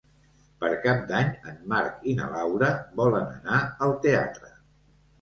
Per Cap d'Any en Marc i na Laura volen anar al teatre.